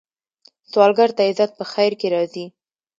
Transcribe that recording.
سوالګر ته عزت په خیر کې ښکاري